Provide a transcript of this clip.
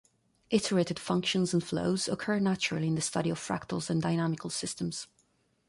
Iterated functions and flows occur naturally in the study of fractals and dynamical systems.